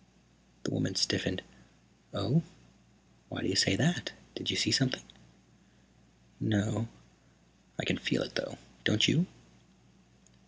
The woman stiffened. "Oh? Why do you say that? Did you see something?" "No. I can feel it, though. Don't you?"